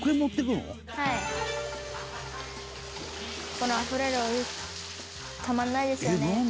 「このあふれるお湯たまらないですよね」